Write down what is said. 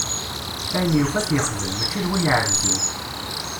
Ayen yufa ad t-yexdem, mačči d win iɛeddzen.